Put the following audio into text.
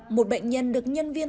một bệnh nhân được nhân viên